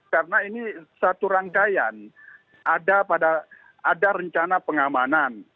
karena ini satu rangkaian ada pada ada rencana pengamanan